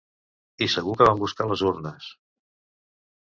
I segur que van buscar les urnes.